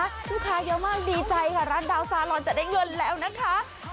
ลูกค้าเยอะมากดีใจค่ะร้านดาวซาลอนจะได้เงินแล้วนะคะ